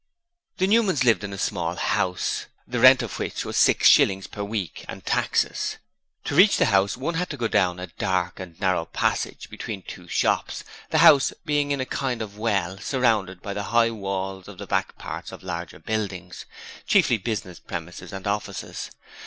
The Newmans lived in a small house the rent of which was six shillings per week and taxes. To reach the house one had to go down a dark and narrow passage between two shops, the house being in a kind of well, surrounded by the high walls of the back parts of larger buildings chiefly business premises and offices.